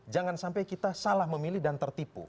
jangan sampai kita salah memilih dan tertipu